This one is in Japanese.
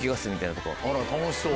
あら楽しそう。